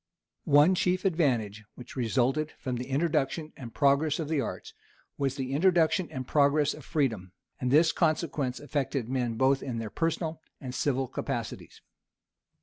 One chief advantage which resulted from the introduction and progress of the arts, was the introduction and progress of freedom; and this consequence affected men both in their personal and civil capacities.